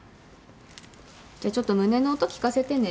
じゃちょっと胸の音聞かせてね。